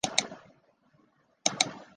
洪武十三年正月罢。